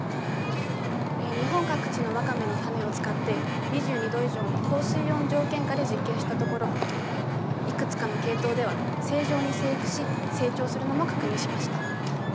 日本各地のワカメの種を使って２２度以上の高水温条件下で実験したところいくつかの系統では正常に生育し成長するのも確認しました。